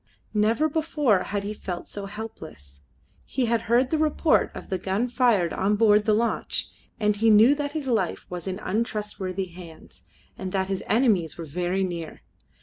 Never before had he felt so helpless. He had heard the report of the gun fired on board the launch, and he knew that his life was in untrustworthy hands, and that his enemies were very near.